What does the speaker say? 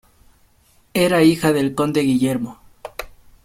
Era hija del conde Guillermo.